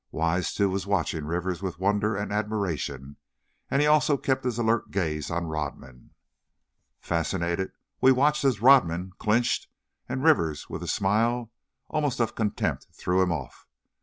Wise, too, was watching Rivers with wonder and admiration, and he also kept his alert gaze on Rodman. Fascinated, we watched as Rodman clinched, and Rivers with a smile, almost of contempt, threw him off.